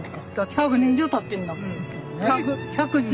１００年以上たってんだもん。